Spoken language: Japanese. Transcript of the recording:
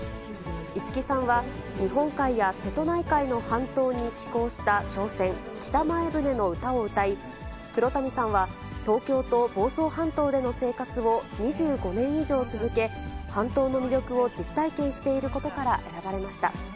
五木さんは日本海や瀬戸内海の半島に寄港した商船、北前船の歌を歌い、黒谷さんは、東京と房総半島での生活を２５年以上続け、半島の魅力を実体験していることから選ばれました。